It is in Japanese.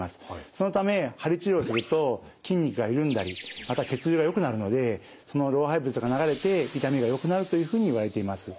そのため鍼治療をすると筋肉が緩んだりまた血流がよくなるのでその老廃物が流れて痛みがよくなるというふうにいわれています。